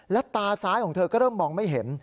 แล้วตาซ้ายของเธอก็เริ่มมองไม่เห็น